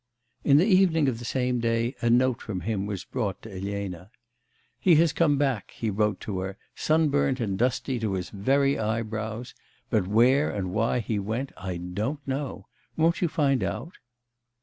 In the evening of the same day a note from him was brought to Elena. 'He has come back,' he wrote to her, 'sunburnt and dusty to his very eyebrows; but where and why he went I don't know; won't you find out?